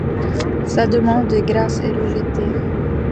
Sa demande de grâce est rejetée.